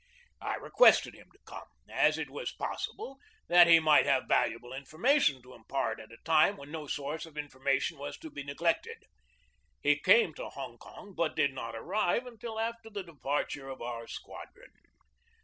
I requested him to come, as it was possible that he might have valuable informa tion to impart at a time when no source of informa tion was to be neglected. 246 GEORGE DEWEY He came to Hong Kong, but did not arrive until after the departure of our squadron.